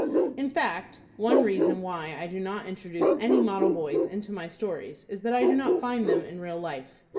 In fact, one reason why I do not introduce any model boys into my stories is that I do not find them in real life.